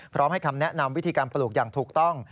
พร้อมให้คำแนะนำวิธีการปลูกอย่างถูกต้อง